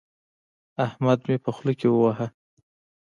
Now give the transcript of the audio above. احمد مې په خوله کې وواهه.